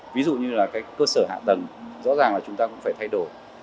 ví dụ như là cái cơ sở hạ tầng rõ ràng là chúng ta cũng phải thay đổi